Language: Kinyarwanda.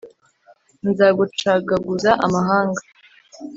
Nzagucagaguza amahanga